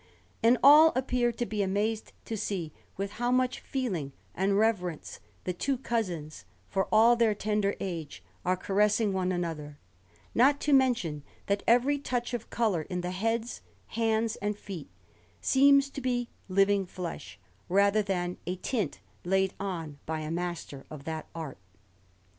And all appear to be amazed to see with how much feeling and reverence the two cousins, for all their tender age, are caressing one another; not to mention that every touch of colour in the heads, hands, and feet seems to be living flesh rather than a tint laid on by a master of that art.